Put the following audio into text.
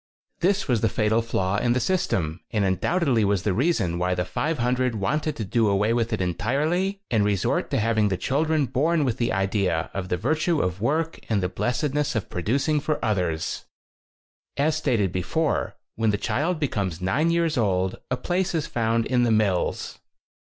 13 This was the fatal flaw in the system and undoubtedly was the reason why the 500 wanted to do away with it en tirely and resort to having the chil dren born with the idea of the virtue of work and the blessedness of pro ducing for others. As stated before, when the child becomes nine years old, a place is found in the mills.